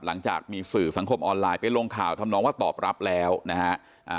หลังจากมีสื่อสังคมออนไลน์ไปลงข่าวทำนองว่าตอบรับแล้วนะฮะ